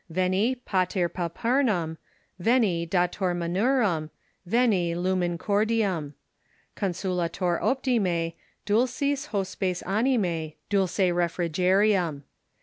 Veni, Pater pauperum, Veni, Dator munerum, Veni, Lumen cordiura : Consolator optime, Dulcis hospes animae, Dulce refrigerium.